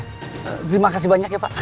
terima kasih banyak ya pak